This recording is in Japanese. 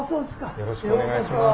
よろしくお願いします。